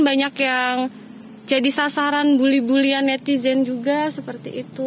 banyak yang jadi sasaran bully bully an netizen juga seperti itu